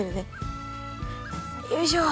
よいしょ！